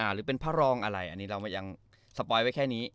หรือเป็นพระรองอะไรอันนี้เรายังสปอยไว้แค่นี้